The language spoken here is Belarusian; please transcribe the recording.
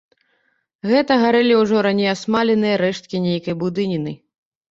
Гэта гарэлі ўжо раней асмаленыя рэшткі нейкай будыніны.